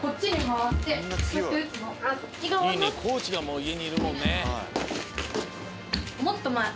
いいねコーチがもういえにいるもんね。